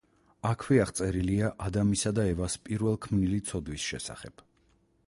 აქვე აღწერილია ადამისა და ევას პირველქმნილი ცოდვის შესახებ.